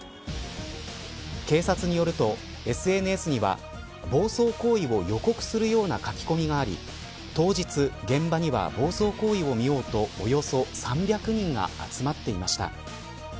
警察によるとＳＮＳには暴走行為を予告するような書き込みがあり当日、現場には暴走行為を見ようとおよそ３００人が集まっていました。